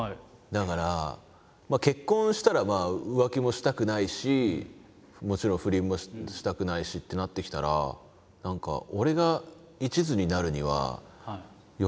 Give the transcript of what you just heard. だから結婚したら浮気もしたくないしもちろん不倫もしたくないしってなってきたら何かハハハハ！